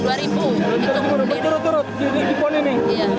turut turut di depon ini